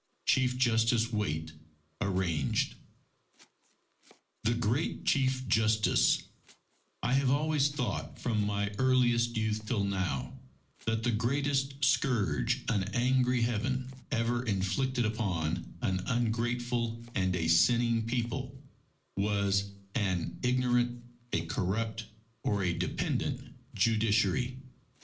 Chief Justice Waite (Arranged) THE GREAT CHIEF JUSTICE _I have always thought from my earliest youth till now, that the greatest scourge an angry Heaven ever inflicted upon an ungrateful and a sinning People, was an ignorant, a corrupt, or a dependent Judiciary.